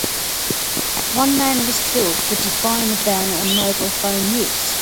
One man was killed for defying the ban on mobile phone use.